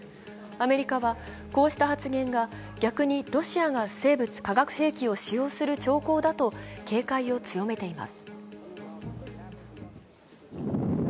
アメリカは、こうした発言が逆に、ロシアが生物・化学兵器を使用する兆候だと警戒を強めています。